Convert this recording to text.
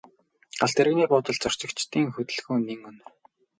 Галт тэрэгний буудалд зорчигчдын хөдөлгөөн нэн өнөр.